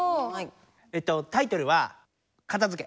えっとタイトルは「片づけ」。